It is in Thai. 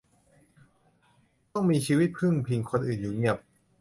ต้องมีชีวิตพึ่งพิงคนอื่นอยู่เงียบ